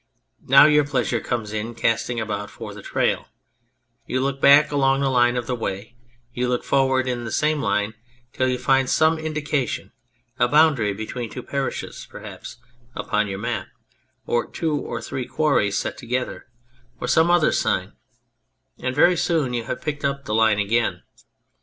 Now your pleasure comes in casting about for the trail ; you look back along the line of the way ; you look forward in the same line till you find some indication, a boundary between two parishes, perhaps upon your map, or two or three quarries set together, or some 138 On the Traveller other sign ; and very soon you have picked up the line again.